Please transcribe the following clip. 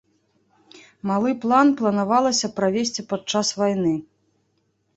Малы план планавалася правесці падчас вайны.